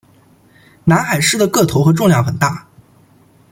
南海狮的个头和重量很大。